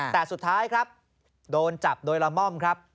แต่สุดท้ายครับโดนจับโดยละม่อมครับ